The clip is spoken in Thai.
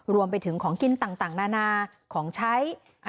รวมไปถึงของกินต่างนานาของใช้